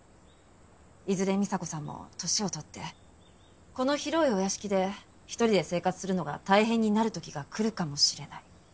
いずれ美沙子さんも年を取ってこの広いお屋敷で１人で生活するのが大変になる時が来るかもしれない。